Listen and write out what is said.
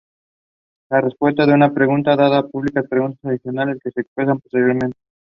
La respuesta de una pregunta dada implica preguntas adicionales, que se expresan posteriormente.